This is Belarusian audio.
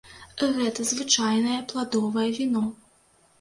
Гэта звычайнае пладовае віно.